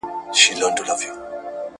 په توره شپه کې شنه آسمان ته په کتوستړی شوم